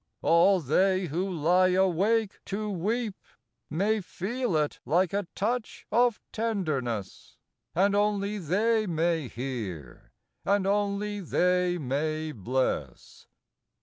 97 All they who lie awake to weep May feel it like a touch of tenderness, And only they may hear, and only they may bless.